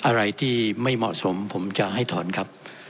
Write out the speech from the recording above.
อะไรที่ไม่เหมาะสมผมจะให้ถอนครับ